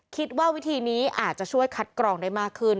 คิดว่าวิธีนี้อาจจะช่วยคัดกรองได้มากขึ้น